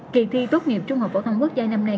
kỳ thi tốt nghiệp trung học phổ thông quốc gia năm nay